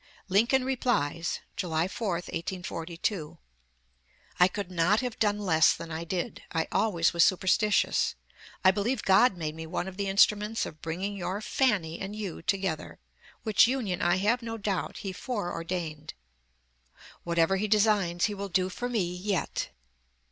Lincoln replies (July 4, 1842): "I could not have done less than I did. I always was superstitious; I believe God made me one of the instruments of bringing your Fanny and you together, which union I have no doubt he foreordained. Whatever he designs, he will do for me yet."